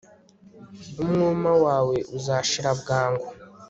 umwuma wawe uzashira bwangu